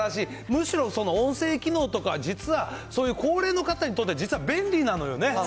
むしろその音声機能とか、実はそういう高齢の方にとって、実は便利なのよね。